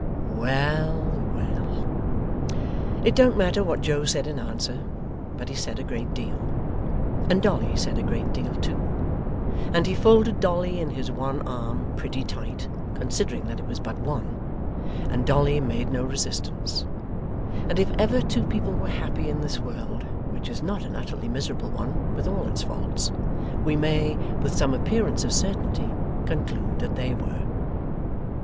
Well, well! It don't matter what Joe said in answer, but he said a great deal; and Dolly said a great deal too: and he folded Dolly in his one arm pretty tight, considering that it was but one; and Dolly made no resistance: and if ever two people were happy in this world which is not an utterly miserable one, with all its faults we may, with some appearance of certainty, conclude that they were.